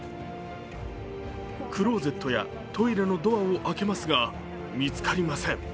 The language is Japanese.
クローゼットやトイレのドアを開けますが見つかりません。